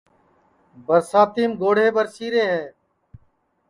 برساتِیم گوڑھے ٻرسی رے ہے